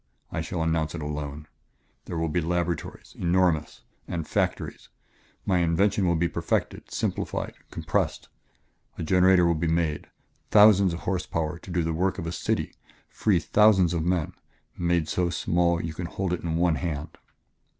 I shall announce it alone.... There will be laboratories enormous! and factories. My invention will be perfected, simplified, compressed. A generator will be made thousands of horsepower to do the work of a city, free thousands of men made so small you can hold it in one hand."